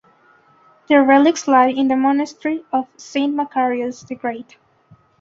Their relics lie in the Monastery of Saint Macarius the Great.